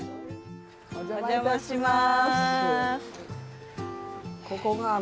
お邪魔します。